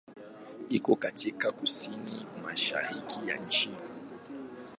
Iko katika kusini-mashariki ya nchi.